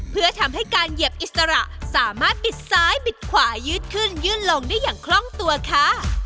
เพื่อทำให้การเหยียบอิสระสามารถบิดซ้ายบิดขวายืดขึ้นยื่นลงได้อย่างคล่องตัวค่ะ